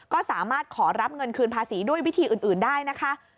ก็สามารถขอรับเงินคืนภาษีด้วยวิธีอื่นได้นะคะ